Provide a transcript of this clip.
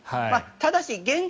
ただし現状